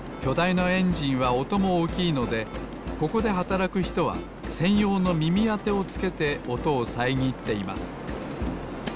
いなエンジンはおともおおきいのでここではたらくひとはせんようのみみあてをつけておとをさえぎっています。